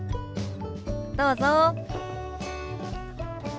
どうぞ。